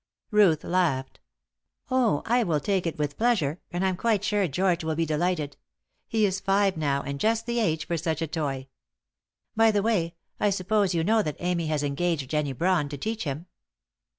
Ruth laughed. "Oh, I will take it with pleasure, and I'm quite sure George will be delighted. He is five now, and just the age for such a toy. By the way, I suppose you know that Amy has engaged Jennie Brawn to teach him?"